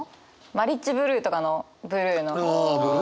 マリッジブルーとかのブルーの意味合いで。